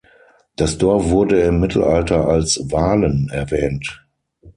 Das Dorf wurde im Mittelalter als "Walen" erwähnt.